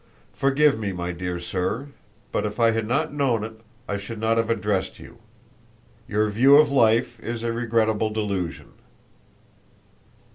Forgive me, my dear sir, but if I had not known it I should not have addressed you. Your view of life is a regrettable delusion."